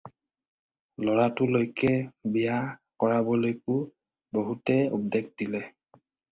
ল'ৰাটোলৈকে বিয়া কৰাবলৈকো বহুতে উপদেশ দিলে।